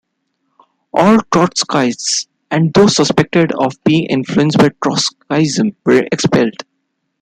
All Trotskyists, and those suspected of being influenced by Trotskyism, were expelled.